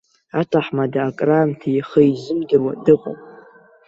Аҭаҳмада акраамҭа ихы изымдыруа дыҟан.